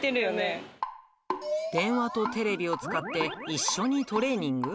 電話とテレビを使って、一緒にトレーニング？